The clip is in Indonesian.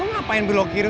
lo ngapain belok kiri